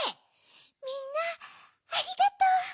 みんなありがとう。